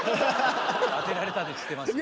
当てられたりしてますよ。